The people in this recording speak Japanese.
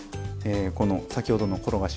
この先ほどの転がし